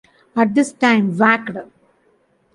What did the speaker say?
At this time Whacked!